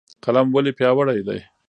قلم ولې پیاوړی دی؟